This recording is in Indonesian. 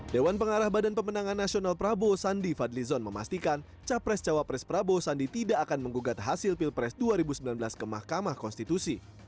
dewan pengarah badan pemenangan nasional prabowo sandi fadlizon memastikan capres cawapres prabowo sandi tidak akan menggugat hasil pilpres dua ribu sembilan belas ke mahkamah konstitusi